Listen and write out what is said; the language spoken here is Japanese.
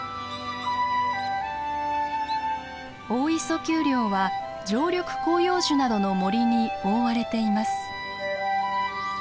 大磯丘陵は常緑広葉樹などの森に覆われています。